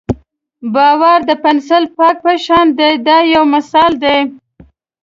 باور د پنسل پاک په شان دی دا یو مثال دی.